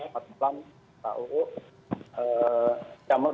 pak jepang pak uu